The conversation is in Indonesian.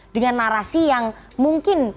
dengan narasi yang mungkin